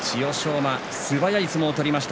馬、素早い相撲を取りました